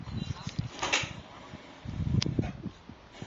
婚礼通常由夫妻信仰的宗教的教士主持。